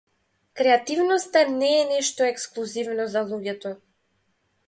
Креативноста не е нешто ексклузивно за луѓето.